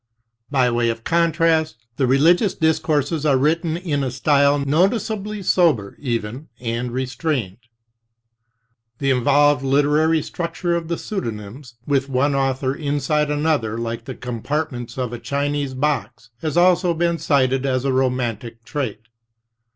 By way of contrast, the religious dis courses are written in a style noticeably sober, even, and restrained. The involved literary structure of the pseudonyms, with one author inside another like the compartments of a Chinese box, has also been cited as a romantic trait.